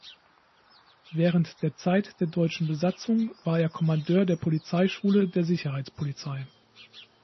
Während der Zeit der deutschen Besatzung war er Kommandeur der Polizeischule der Sicherheitspolizei.